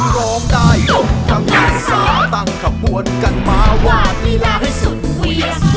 ร้องได้ยกกำลังซ่าตั้งขบวนกันมาวาดลีลาให้สุดเวีย